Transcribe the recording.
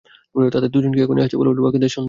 তাদের দুজনকে এখনই আসতে বলো, বাকিদের সন্ধ্যায়।